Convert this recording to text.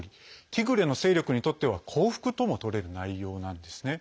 ティグレの勢力にとっては降伏ともとれる内容なんですね。